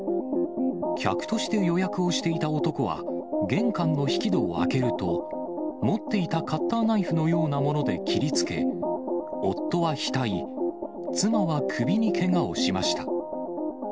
客として予約をしていた男は、玄関の引き戸を開けると、持っていたカッターナイフのようなもので切りつけ、夫は額、妻は首にけがをしました。